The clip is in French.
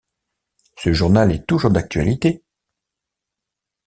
Ce journal est toujours d'actualité.